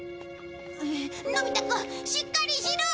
のび太くんしっかりしろ！